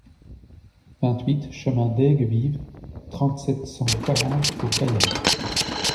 vingt-huit chemin d'Aigues-Vives, trente, sept cent quarante au Cailar